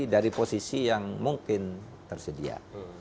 dari posisi yang mungkin tersedia